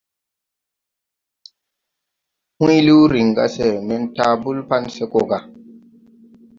Hùy liw riŋ ga se men taabul pan se go gà.